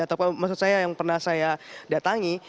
atau maksud saya yang pernah saya datangi